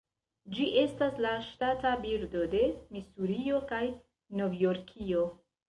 Ĝi estas la ŝtata birdo de Misurio kaj Novjorkio.